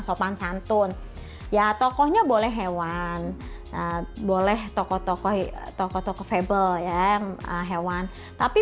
sopan santun ya tokohnya boleh hewan boleh tokoh tokoh febel ya hewan tapi